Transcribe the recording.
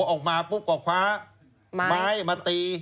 ออกมาก็คว้าไม้มาตี